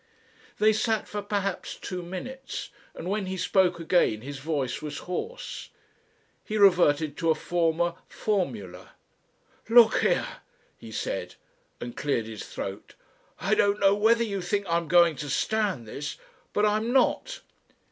They sat for perhaps two minutes, and when he spoke again his voice was hoarse. He reverted to a former formula. "Look here," he said, and cleared his throat. "I don't know whether you think I'm going to stand this, but I'm not."